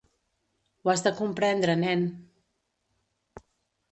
Ho has de comprendre, nen.